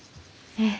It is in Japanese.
ええ。